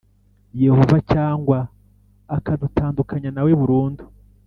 Yehova cyangwa akadutandukanya na we burundu